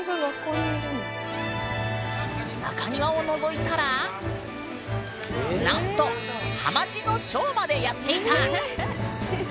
中庭をのぞいたらなんとハマチのショーまでやっていた！